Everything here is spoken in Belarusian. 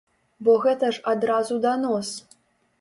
Бо гэта ж адразу данос.